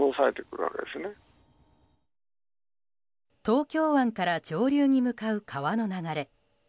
東京湾から上流に向かう川の流れ。